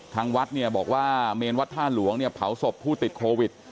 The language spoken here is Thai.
ทางวัดเนี่ยบอกว่าเมนวัดท่าหลวงเนี่ยเผาศพผู้ติดโควิด